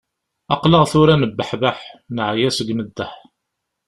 Aql-aɣ tura nebbeḥbeḥ, neɛya seg umeddeḥ